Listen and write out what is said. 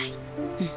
うん。